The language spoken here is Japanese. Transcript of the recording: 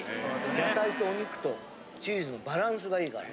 野菜とお肉とチーズのバランスがいいから。